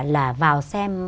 là vào xem